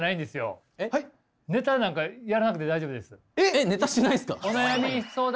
えっ！ネタしないんですか？